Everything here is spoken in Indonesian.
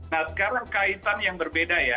nah sekarang kaitan yang berbeda ya